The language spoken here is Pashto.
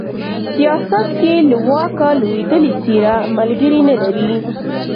سياست کې له واکه لوېدلې څېره ملگري نه لري